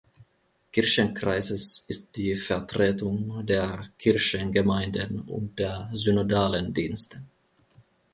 Kirchenkreises ist die Vertretung der Kirchengemeinden und der synodalen Dienste.